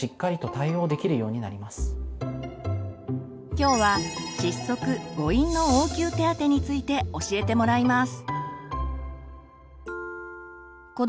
きょうは窒息誤飲の応急手当について教えてもらいます。